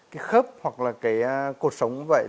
cái khớp hoặc là cái cột sống cũng vậy